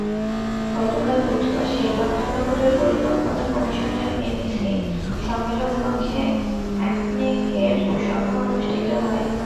গতকাল বুধবার শেরেবাংলা নগরের পরিকল্পনা কমিশনের এনইসি সম্মেলনকক্ষে একনেকের সভা অনুষ্ঠিত হয়।